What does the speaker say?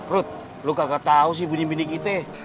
rut lu kagak tahu sih bunyi bunyi kita